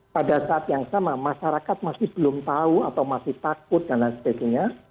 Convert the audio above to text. pada saat yang sama masyarakat masih belum tahu atau masih takut dan lain sebagainya